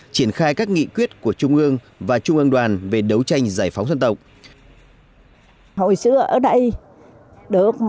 triển khai các nghị quyết của trung ương và trung ương đoàn về đấu tranh giải phóng dân tộc